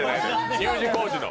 Ｕ字工事の。